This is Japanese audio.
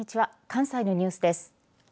関西のニュースです。